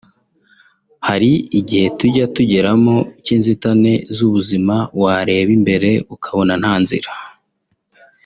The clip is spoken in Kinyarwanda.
Hari igihe tujya tugeramo cy'inzitane z'ubuzima wareba imbere ukabona nta nzira